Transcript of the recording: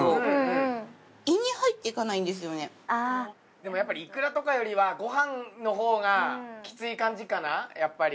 でもやっぱりイクラとかよりはご飯のほうがきつい感じかなやっぱり。